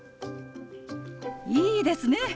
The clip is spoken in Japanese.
いいですね！